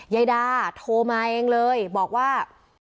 ยายดาโทรมาเองเลยบอกว่า